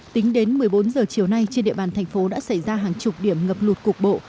tính đến một mươi bốn h chiều nay trên địa bàn thành phố đã xảy ra hàng chục điểm ngập lụt cục bộ